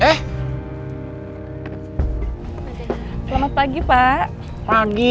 kayaknya klub jadi prahara